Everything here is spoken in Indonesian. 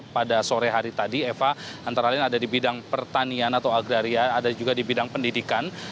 pada sore hari tadi eva antara lain ada di bidang pertanian atau agraria ada juga di bidang pendidikan